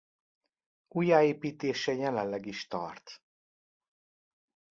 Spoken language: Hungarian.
Újjáépítése jelenleg is tart.